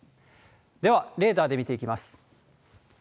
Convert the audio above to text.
では、レーダーで見ていきます。